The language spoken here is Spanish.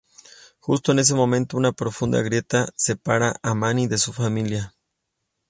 Justo en ese momento, una profunda grieta separa a Manny de su familia.